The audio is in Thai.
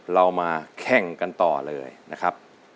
เรามาแข่งกันต่อเลยนะครับ